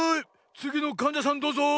つぎのかんじゃさんどうぞ。